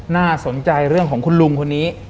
น่าสนใจเรื่องของคุณลุงคนนี้